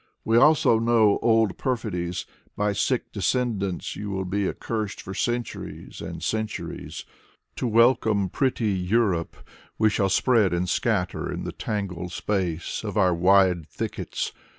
We also know old perfidies. By sick descendants you will be Accursed for centuries and centuries. To welcome pretty Europe, we shall spread And scatter in the tangled space Of our wide thickets.